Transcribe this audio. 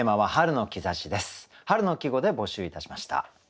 春の季語で募集いたしました。